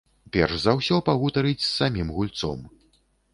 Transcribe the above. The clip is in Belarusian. Перш за ўсё пагутарыць з самім гульцом.